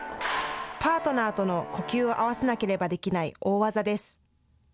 パートナーとの呼吸を合わせなければできない大技です。